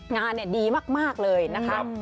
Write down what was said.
งานเนี่ยดีมากเลยนะครับ